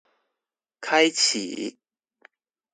開啟